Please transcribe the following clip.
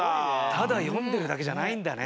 ただよんでるだけじゃないんだね。